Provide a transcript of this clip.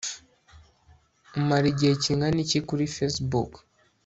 umara igihe kingana iki kuri facebook